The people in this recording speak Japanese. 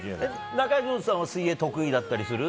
中条さんは水泳得意だったりする？